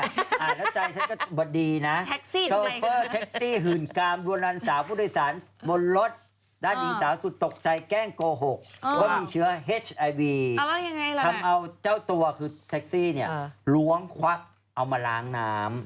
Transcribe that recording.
แล้วใจฉันก็บดีนะโชเฟอร์แท็กซี่หื่นกามรันสาวผู้โดยสารบนรถด้านหญิงสาวสุดตกใจแกล้งโกหกว่ามีเชื้อเฮชไอวีทำเอาเจ้าตัวคือแท็กซี่เนี่ยล้วงควักเอามาล้างน้ำ